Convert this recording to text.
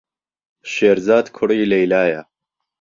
شێرزاد کوڕی لەیلایە.